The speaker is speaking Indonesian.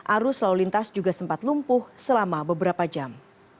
arus lalu lintas juga sempat lumpuh selama beberapa jam